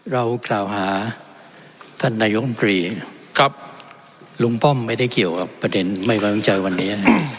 เรากล่าวหาท่านนายกรรมตรีครับลุงป้อมไม่ได้เกี่ยวกับประเด็นไม่ไว้วางใจวันนี้